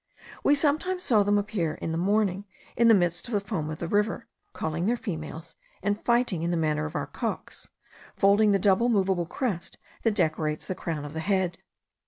We sometimes saw them appear in the morning in the midst of the foam of the river, calling their females, and fighting in the manner of our cocks, folding the double moveable crest that decorates the crown of the head.